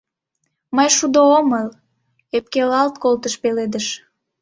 — Мый шудо омыл, — ӧпкелалт колтыш пеледыш.